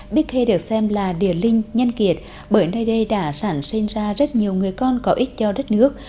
bích khê được xem là địa linh nhân kiệt bởi nơi đây đã sản sinh ra rất nhiều người con có ích cho đất nước